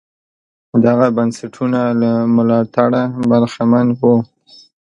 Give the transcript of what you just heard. دغه بنسټونه له ملاتړه برخمن وو.